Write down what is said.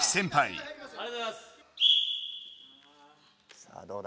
さあどうだ。